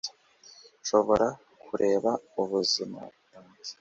nshobora kureba ubuzima bwanjye